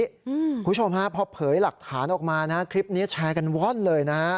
คุณผู้ชมฮะพอเผยหลักฐานออกมานะคลิปนี้แชร์กันว่อนเลยนะฮะ